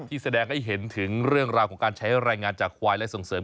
แสดงให้เห็นถึงเรื่องราวของการใช้รายงานจากควายและส่งเสริม